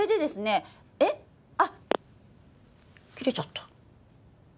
あっ切れちゃった。